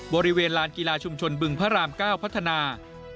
บริเวณลานกีฬาชุมชนบึงพระราม๙พัฒนา